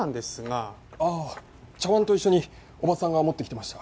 ああ茶碗と一緒におばさんが持ってきてました。